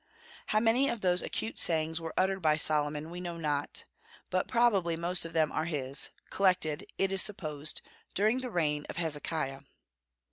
How many of those acute sayings were uttered by Solomon we know not, but probably most of them are his, collected, it is supposed, during the reign of Hezekiah.